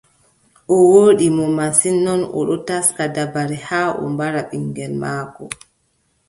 O wooɗi mo masin, non, o ɗon taska dabare haa o mbara ɓiŋngel maako.